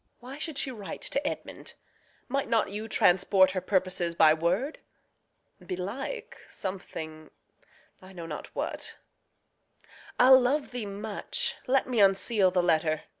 Why should she write to Edmund? Might not you Transport her purposes by word? Belike, Something I know not what I'll love thee much Let me unseal the letter.